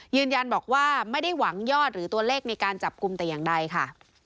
ยืนยันบอกว่าไม่ได้หวังยอดหรือตัวเลขในการจับกลุ่มแต่อย่างใดค่ะ